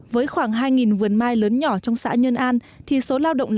với khoảng hai vườn mai lớn nhỏ trong xã nhân an